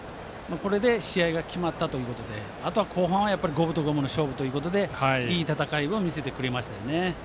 これで試合が決まったということであとは後半は五分と五分の勝負でいい戦いを見せてくれましたね。